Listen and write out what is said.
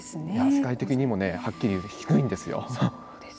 世界的にもはっきり低いんですよ。